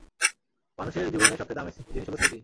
মানুষের জীবনের সবচেয়ে দামি জিনিস হলো স্মৃতি।